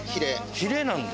ヒレなんだ。